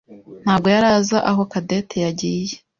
ntabwo yari azi aho Cadette yagiye.